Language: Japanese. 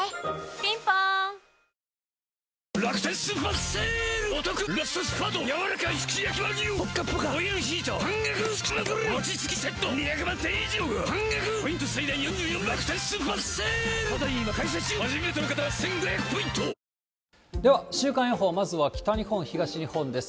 ピンポーンでは、週間予報、まずは北日本、東日本です。